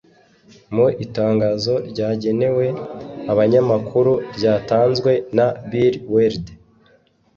Mu itangazo ryagenewe abanyamakuru ryatanzwe na Bill Werde